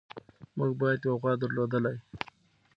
موږ باید یوه غوا درلودلی.